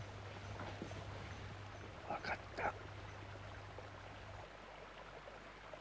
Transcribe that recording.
分かった。